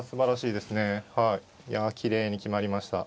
いやきれいに決まりました。